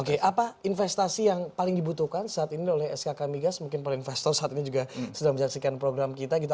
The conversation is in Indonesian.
oke apa investasi yang paling dibutuhkan saat ini oleh skk migas mungkin para investor saat ini juga sedang menyaksikan program kita gitu